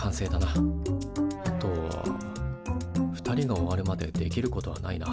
あとは２人が終わるまでできることはないな。